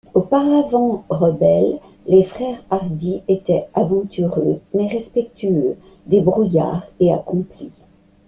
Auparavant rebelles, les Frères Hardy étaient aventureux, mais respectueux, débrouillards et accomplis.